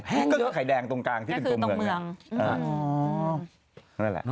แห้งเยอะก็คือไข่แดงตรงกลางที่เป็นตรงเมือง